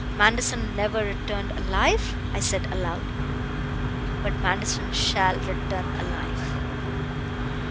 'Manderson never returned alive?' I said aloud. 'But Manderson shall return alive!'